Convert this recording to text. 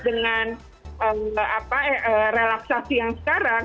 dengan relaksasi yang sekarang